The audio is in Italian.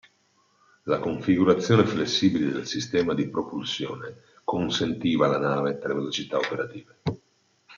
La configurazione flessibile del sistema di propulsione consentiva alla nave tre velocità operative.